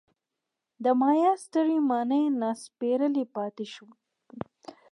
د مایا سترې ماڼۍ ناسپړلي پاتې وو.